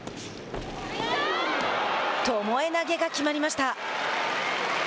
巴投げが決まりました。